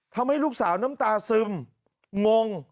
ทำให้ลูกสาวน้ำตาซึมง